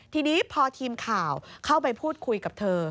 ทีนี้พอทีมข่าวเข้าไปพูดคุยกับเธอ